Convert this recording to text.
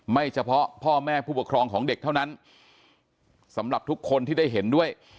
เฉพาะพ่อแม่ผู้ปกครองของเด็กเท่านั้นสำหรับทุกคนที่ได้เห็นด้วย